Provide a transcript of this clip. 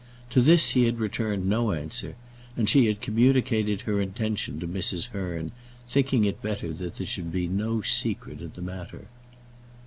To this he had returned no answer, and she had communicated her intention to Mrs. Hearn, thinking it better that there should be no secret in the matter.